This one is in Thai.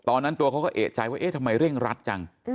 ตัวเขาก็เอกใจว่าเอ๊ะทำไมเร่งรัดจัง